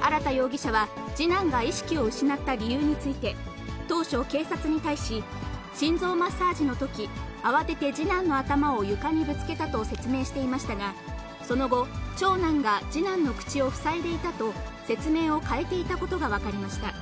荒田容疑者は、次男が意識を失った理由について、当初、警察に対し、心臓マッサージのとき、慌てて次男の頭を床にぶつけたと説明していましたが、その後、長男が次男の口を塞いでいたと、説明を変えていたことが分かりました。